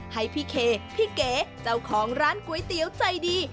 ให้พี่เคพี่เก๋เจ้าของร้านก๋วยเตี๋ยวใจดี